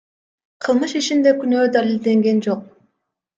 Кылмыш ишинде күнөө далилденген жок.